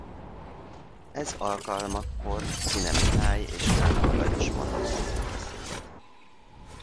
Ez alkalmakkor Czine Mihály és Kántor Lajos mondott emlékbeszédet.